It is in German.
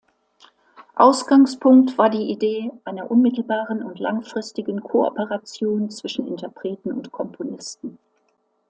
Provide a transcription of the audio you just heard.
Ausgangspunkt war die Idee einer unmittelbaren und langfristigen Kooperation zwischen Interpreten und Komponisten.